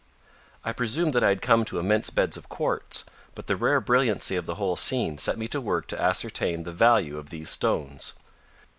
I presumed that I had come to immense beds of quartz, but the rare brilliancy of the whole scene set me to work to ascertain the value of these stones.